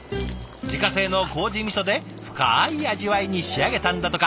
自家製のこうじみそで深い味わいに仕上げたんだとか。